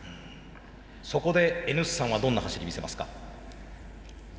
そこでＮ産はどんな走り見せますか？